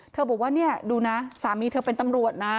เธอบอกว่าดูนะสามีเธอเป็นตำรวจนะ